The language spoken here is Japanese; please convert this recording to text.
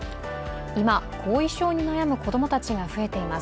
今、後遺症に悩む子供たちが増えています。